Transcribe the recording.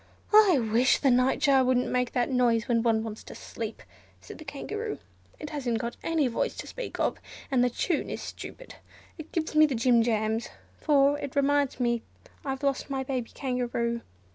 "I wish the Nightjar wouldn't make that noise when one wants to sleep," said the Kangaroo. "It hasn't got any voice to speak of, and the tune is stupid. It gives me the jim jams, for it reminds me I've lost my baby Kangaroo.